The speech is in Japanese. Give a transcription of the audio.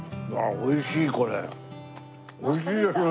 美味しいですね！